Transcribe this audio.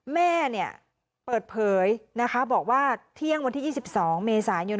แม่เนี่ยเปิดเผยนะคะบอกว่าเที่ยงวันที่๒๒เมษายน